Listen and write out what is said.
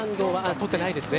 取ってないですね。